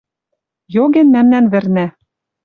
Йоген мӓмнӓн вӹрнӓ.